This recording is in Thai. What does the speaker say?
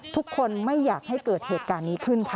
ทุกคนไม่อยากให้เกิดเหตุการณ์นี้ขึ้นค่ะ